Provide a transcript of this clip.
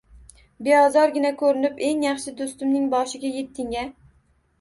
Beozorgina ko`rinib, eng yaxshi do`stimning boshiga etding-a